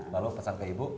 lalu pesan ke ibu